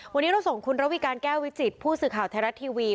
วันนี้เราส่งคุณระวิการแก้ววิจิตผู้สื่อข่าวไทยรัฐทีวี